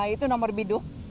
itu nomor biduh